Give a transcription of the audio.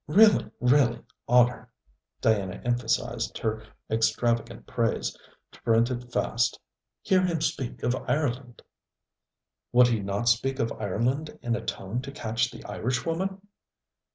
'Really! really! honour!' Diana emphasized her extravagant praise, to print it fast. 'Hear him speak of Ireland.' 'Would he not speak of Ireland in a tone to catch the Irishwoman?'